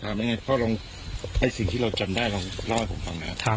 ถามยังไงพ่อลองไอ้สิ่งที่เราจำได้ลองเล่าให้ผมฟังนะครับ